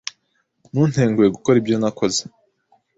Ntuntenguhe gukora ibyo nakoze.